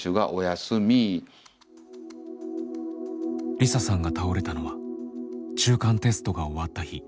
梨沙さんが倒れたのは中間テストが終わった日。